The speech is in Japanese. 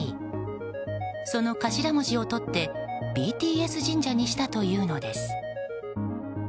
その頭文字をとってＢＴＳ神社にしたというのです。